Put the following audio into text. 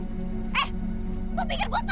eh lu pikir gua tahu apa sama lu